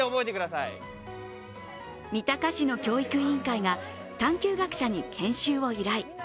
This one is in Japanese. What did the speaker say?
三鷹市の教育委員会が探究学舎に研修を依頼。